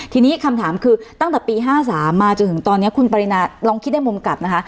ทีนี้คำถามคือตั้งแต่ปี๕๓มาจนถึงตอนนี้คุณปรินาลองคิดได้มุมกลับนะคะ